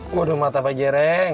waduh mata pak jireng